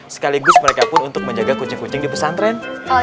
sekaligus mereka pun untuk menjaga kucing kucing di pesantren